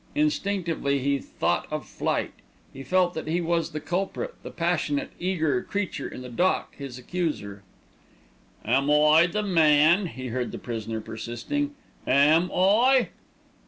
Instinctively he thought of flight. He felt that he was the culprit, the passionate, eager creature in the dock his accuser. "Am I the man?" he heard the prisoner persisting. "Am I?"